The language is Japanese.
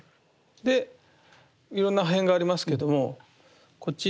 でいろんな破片がありますけどもこちらの。